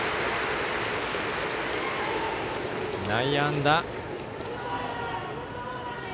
内野安打。